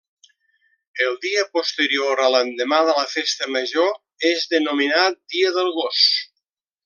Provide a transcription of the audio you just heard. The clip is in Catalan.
El dia posterior a l'endemà de la Festa Major és denominat dia del gos.